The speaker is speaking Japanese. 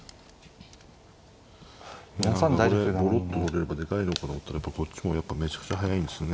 これぼろっと取れればでかいのかと思ったらこっちもやっぱめちゃくちゃ速いんですよね。